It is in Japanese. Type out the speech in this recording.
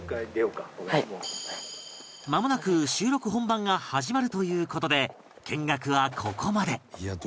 間もなく収録本番が始まるという事で見学はここまで